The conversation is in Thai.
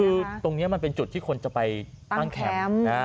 คือตรงนี้มันเป็นจุดที่คนจะไปตั้งแคมป์